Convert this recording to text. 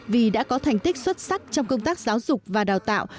vì đã có thành tích xuất sắc trong công tác giáo dục và đào tạo